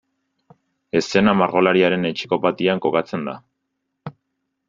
Eszena margolariaren etxeko patioan kokatzen da.